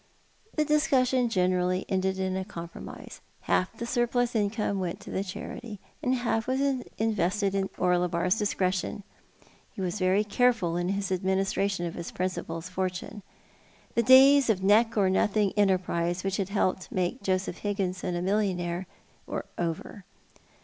The discussion generally ended in a compromise. Half the surplus income went to the charity, and half was invested at Orlebar's discretion. He was very careful in his administra tion of his principal's fortune. The days of neck or nothing enterprises which had helped to make Joseph Higginson a millionnaire were over.